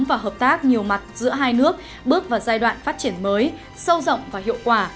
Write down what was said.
và hợp tác nhiều mặt giữa hai nước bước vào giai đoạn phát triển mới sâu rộng và hiệu quả